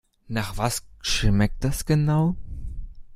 Nach was schmeckt das genau?